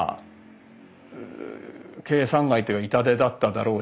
計算外というか痛手だっただろうし。